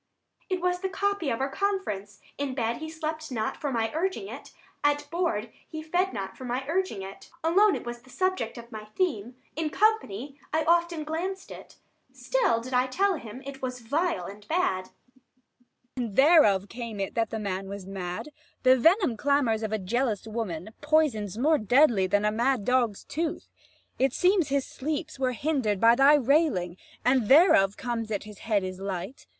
Adr. It was the copy of our conference: In bed, he slept not for my urging it; At board, he fed not for my urging it; Alone, it was the subject of my theme; 65 In company I often glanced it; Still did I tell him it was vile and bad. Abb. And thereof came it that the man was mad: The venom clamours of a jealous woman, Poisons more deadly than a mad dog's tooth. 70 It seems his sleeps were hinder'd by thy railing: And thereof comes it that his head is light.